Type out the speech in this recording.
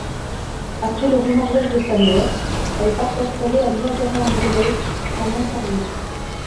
Après le remariage de sa mère, elle part s'installer à Niagara-on-the-Lake, en Ontario.